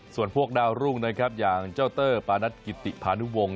ส่วนพวกดาวรุ่งนะครับอย่างเจ้าเตอร์ปานัทกิติพานุวงศ